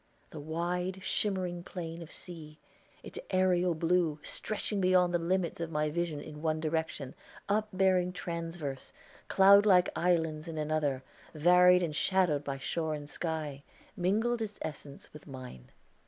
The wide, shimmering plain of sea its aerial blue, stretching beyond the limits of my vision in one direction, upbearing transverse, cloud like islands in another, varied and shadowed by shore and sky mingled its essence with mine.